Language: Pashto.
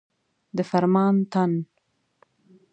د فرمان متن.